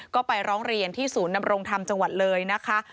ก็ไปร้องเรียนที่ศูนย์นำรงธรรมจังหวัดเลยนะคะ